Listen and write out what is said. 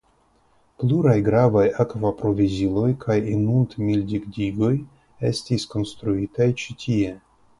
Pluraj gravaj akvoproviziloj kaj inundmildigdigoj estis konstruitaj ĉi tie.